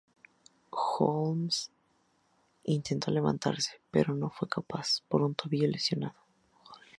Holmes intentó levantarse, pero no fue capaz por un tobillo lesionado.